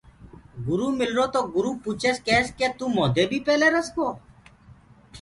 گُروٚ مِلرو تو گُرو پوٚڇس ڪيس ڪي تو موندي بي پيلي رس گو۔